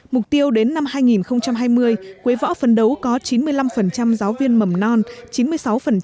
mục tiêu đến năm hai nghìn hai mươi quế võ phấn đấu có chín mươi năm giáo viên mầm non chín mươi sáu giáo viên tiểu học